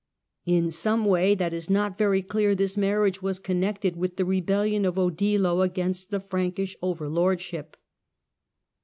In some way that is not very clear this marriage was connected with the rebellion of Odilo against the Frankish overlordship.